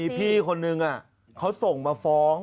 พี่คนนึงเขาส่งมาฟ้อง